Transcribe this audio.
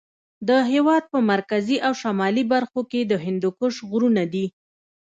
د هېواد په مرکزي او شمالي برخو کې د هندوکش غرونه دي.